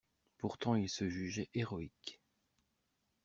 Pourtant il se jugeait héroïque.